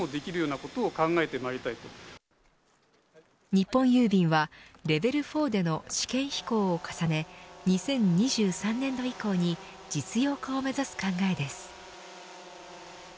日本郵便はレベル４での試験飛行を重ね２０２３年度以降に実用化を目指す考えです。